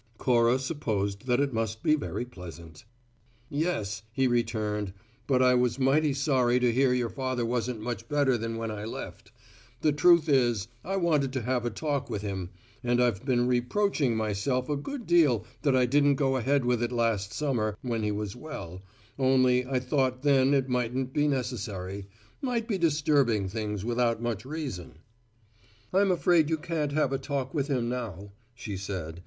Cora supposed that it must be very pleasant. "Yes," he returned. "But I was mighty sorry to hear your father wasn't much better than when I left. The truth is, I wanted to have a talk with him, and I've been reproaching myself a good deal that I didn't go ahead with it last summer, when he was well, only I thought then it mightn't be necessary might be disturbing things without much reason." "I'm afraid you can't have a talk with him now," she said.